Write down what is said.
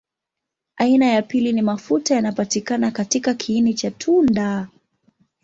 Aina ya pili ni mafuta yanapatikana katika kiini cha tunda.